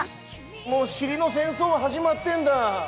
もう尻の戦争は始まってんだ。